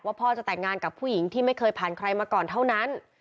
พ่อจะแต่งงานกับผู้หญิงที่ไม่เคยผ่านใครมาก่อนเท่านั้น